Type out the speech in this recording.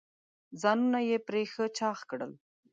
ځانونه یې پرې ښه چاغ کړل.